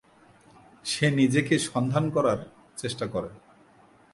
সে নিজেকে সন্ধান করার চেষ্টা করে।